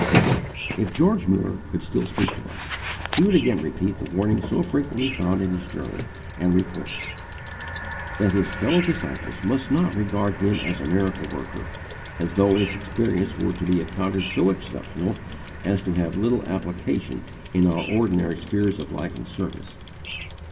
If George Muller could still speak to us, he would again repeat the warning so frequently found in his journal and reports, that his fellow disciples must not regard him as a miracle worker, as though his experience were to be accounted so exceptional as to have little application in our ordinary spheres of life and service.